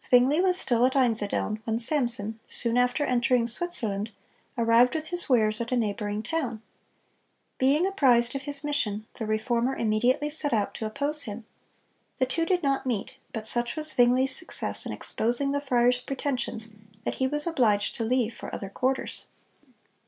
Zwingle was still at Einsiedeln when Samson, soon after entering Switzerland, arrived with his wares at a neighboring town. Being apprised of his mission, the Reformer immediately set out to oppose him. The two did not meet, but such was Zwingle's success in exposing the friar's pretensions that he was obliged to leave for other quarters.